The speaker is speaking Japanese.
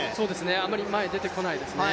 あまり前に出てこないですね。